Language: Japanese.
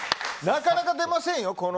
なかなか出ませんよ。